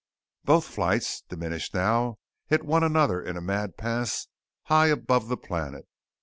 Both flights, diminished now, hit one another in a mad pass high above the planet.